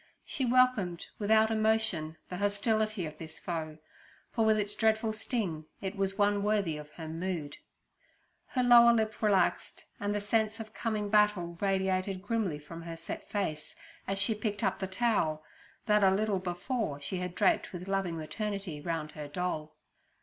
She welcomed without emotion the hostility of this foe, for with its dreadful sting it was one worthy of her mood. Her lower lip relaxed, and the sense of coming battle radiated grimly from her set face, as she picked up the towel that a little before she had draped with loving maternity round her doll.